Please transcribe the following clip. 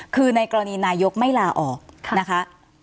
คือในกรณีนายกไม่ลาออกนะคะ